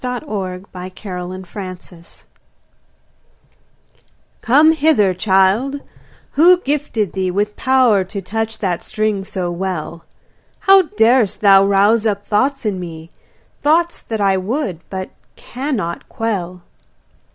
Emily Brontë Come hither, child Come hither, child who gifted thee With power to touch that string so well? How darest thou rouse up thoughts in me, Thoughts that I would but cannot quell?